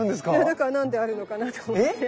だから何であるのかなと思って。